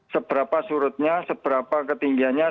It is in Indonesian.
seberapa surutnya seberapa ketinggiannya